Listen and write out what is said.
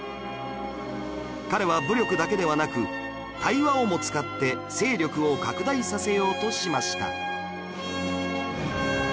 彼は武力だけではなく対話をも使って勢力を拡大させようとしました